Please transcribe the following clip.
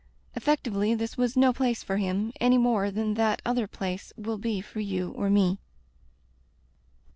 Effec tively, this was no place for him, any more than that other place will be for you or me.